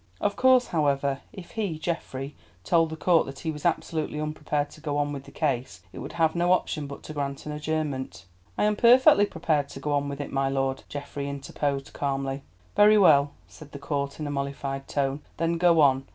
Of course, however, if he, Geoffrey, told the court that he was absolutely unprepared to go on with the case, It would have no option but to grant an adjournment. "I am perfectly prepared to go on with it, my lord," Geoffrey interposed calmly. "Very well," said the Court in a mollified tone, "then go on!